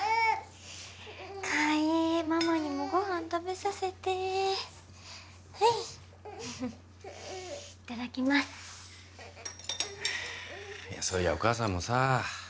海ママにもご飯食べさせてはいいただきますそういやお母さんもさうん？